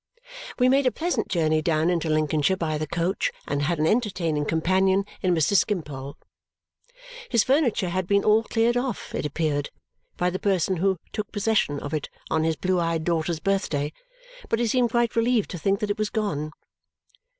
We made a pleasant journey down into Lincolnshire by the coach and had an entertaining companion in Mr. Skimpole. His furniture had been all cleared off, it appeared, by the person who took possession of it on his blue eyed daughter's birthday, but he seemed quite relieved to think that it was gone.